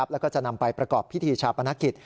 แล้วก็จะนำไปประกอบพิธีชาปนกิจ